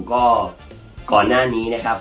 ก็ก่อนหน้านี้นะครับ